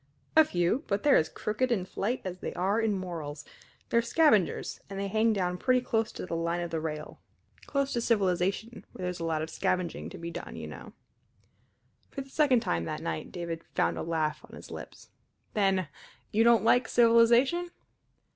"A few; but they're as crooked in flight as they are in morals. They're scavengers, and they hang down pretty close to the line of rail close to civilization, where there's a lot of scavenging to be done, you know." For the second time that night David found a laugh on his lips. "Then you don't like civilization?"